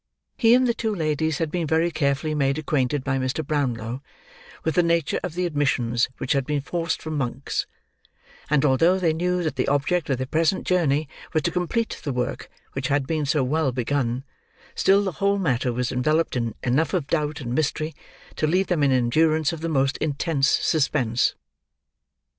He and the two ladies had been very carefully made acquainted by Mr. Brownlow with the nature of the admissions which had been forced from Monks; and although they knew that the object of their present journey was to complete the work which had been so well begun, still the whole matter was enveloped in enough of doubt and mystery to leave them in endurance of the most intense suspense.